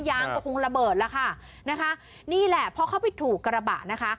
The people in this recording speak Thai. ยางก็คงระเบิดแล้วค่ะนะคะนี่แหละเพราะเขาไปถูกกระบะนะคะ